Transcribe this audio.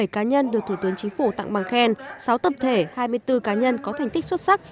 một mươi cá nhân được thủ tướng chính phủ tặng bằng khen sáu tập thể hai mươi bốn cá nhân có thành tích xuất sắc